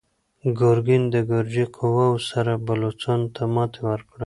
ګورګین د ګرجي قواوو سره بلوڅانو ته ماتې ورکړه.